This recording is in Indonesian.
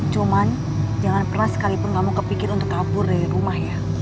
cuman jangan pernah sekalipun kamu kepikir untuk kabur dari rumah ya